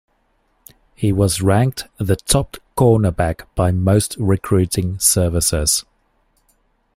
He was ranked the top cornerback by most recruiting services.